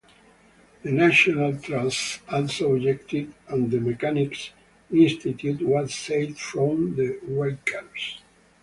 The National Trust also objected and the Mechanics' Institute was saved from the wreckers.